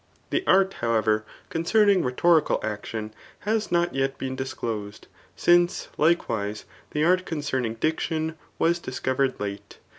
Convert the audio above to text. The art, however, concerning rhetorical action has not yet been disclosed ; ance^ likewise, the art con cerning diction was discovered late.